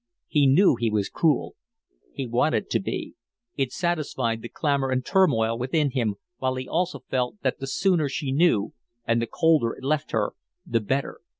He knew he was cruel he wanted to be it satisfied the clamor and turmoil within him, while he also felt that the sooner she knew and the colder it left her the better.